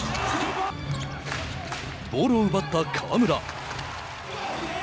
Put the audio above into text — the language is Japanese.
ボールを奪った河村。